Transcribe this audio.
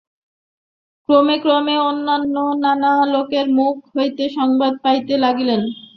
ক্রমে ক্রমে অন্যান্য নানা লোকের মুখ হইতে সংবাদ পাইতে লাগিলেন।